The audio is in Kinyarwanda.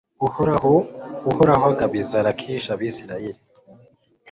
uhoraho agabiza lakishi abayisraheli